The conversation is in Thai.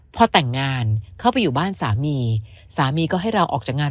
พอแต่งงานเข้าไปอยู่บ้านสามีสามีก็ให้เราออกจากงาน